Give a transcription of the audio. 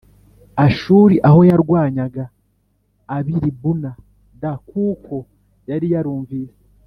Ashuri aho yarwanyaga ab i Libuna d kuko yari yarumvise